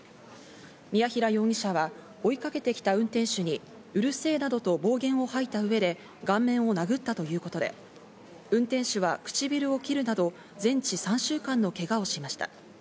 ミヤヒラ容疑者は追いかけてきた運転手にうるせえなどと暴言をはいた上で顔面を殴ったということで、運転手は唇を切るなど全治３週間のけがをしました。